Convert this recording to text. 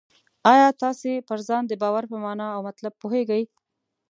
آیا تاسې پر ځان د باور په مانا او مطلب پوهېږئ؟